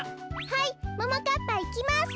はいももかっぱいきます。